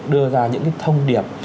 đưa ra những cái thông điệp